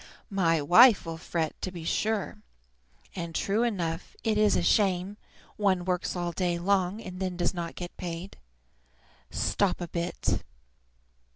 My wife will fret, to be sure. And, true enough, it is a shame; one works all day long, and then does not get paid. Stop a bit!